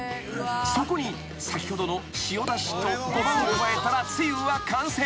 ［そこに先ほどの塩だしとごまを加えたらつゆは完成］